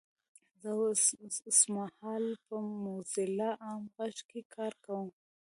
زه اوسمهال په موځیلا عام غږ کې کار کوم 😊!